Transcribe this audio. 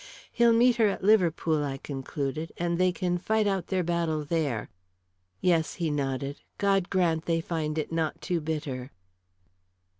"He'll meet her at Liverpool," I concluded, "and they can fight out their battle there." "Yes," he nodded. "God grant they find it not too bitter."